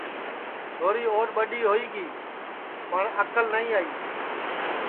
چھوری اُوڈؔ ٻڈؔی ہوئی گی پٹؔ اکل نائی آئی